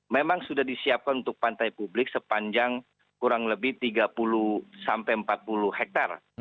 memang sudah disiapkan untuk pantai publik sepanjang kurang lebih tiga puluh sampai empat puluh hektare